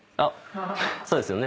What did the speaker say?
そうですよね？